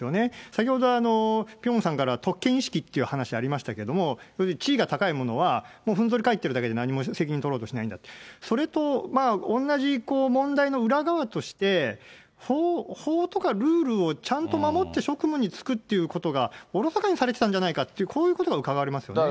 先ほど、ピョンさんから特権意識っていう話がありましたけれども、地位が高い者は、ふんぞり返ってるだけで何も責任取ろうとしないんだと、それとおんなじ問題の裏側として、法とかルールをちゃんと守って職務に就くっていうことが、おろそかにされてたんじゃないかと、こういうことがうかがえますよね。